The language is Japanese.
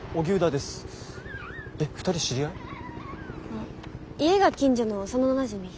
あ家が近所の幼なじみ。